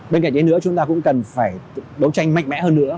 bên cạnh đấy nữa chúng ta cũng cần phải đấu tranh mạnh mẽ hơn nữa